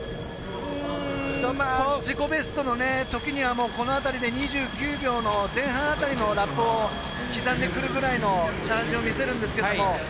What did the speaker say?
自己ベストのときにはこの辺りで２９秒の前半辺りのラップを刻んでくるぐらいのチャージを見せるんですけども。